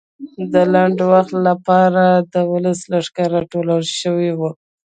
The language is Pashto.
د لنډ وخت لپاره د ولسي لښکر راټولول شو وو.